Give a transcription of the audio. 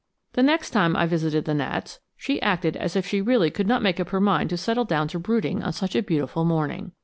The next time I visited the gnats, she acted as if she really could not make up her mind to settle down to brooding on such a beautiful morning.